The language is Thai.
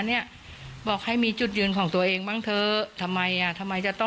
พี่ก็ว่าจะไม่ให้เบอร์แล้วนะเขาก็บอกให้ช่วย